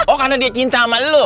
oh karena dia cinta sama lo